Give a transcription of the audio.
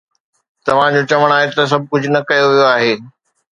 توهان جو چوڻ آهي ته سڀ ڪجهه نه ڪيو ويو آهي